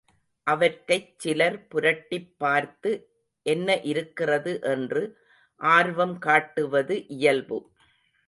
அவற்றைச் சிலர் புரட்டிப் பார்த்து என்ன இருக்கிறது என்று ஆர்வம் காட்டுவது இயல்பு.